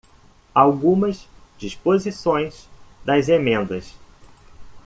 Algumas disposições das emendas